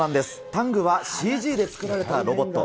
タングはＣＧで作られたロボット。